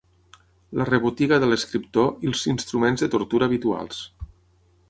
La rebotiga de l'escriptor i els instruments de tortura habituals.